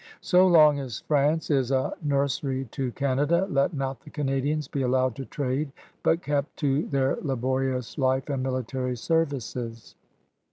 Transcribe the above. So long as France is a nursery to Canada, let not the Canadians be aQowed to trade but kept to their laborious life and military services."